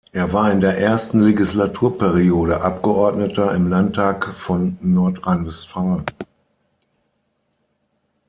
Er war in der ersten Legislaturperiode Abgeordneter im Landtag von Nordrhein-Westfalen.